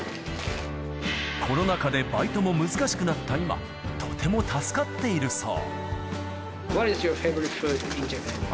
コロナ禍でバイトも難しくなった今、とても助かっているそう。